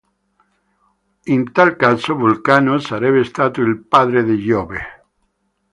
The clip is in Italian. In tal caso Vulcano sarebbe stato il padre di Giove.